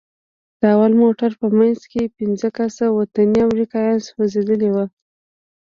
د اول موټر په منځ کښې پنځه کسه وطني امريکايان سوځېدلي وو.